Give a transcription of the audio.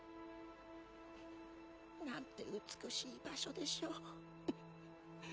何て美しい場所でしょう